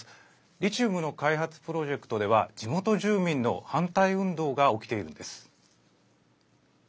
リチウムの開発プロジェクトでは地元住民の反対運動が起きているんです。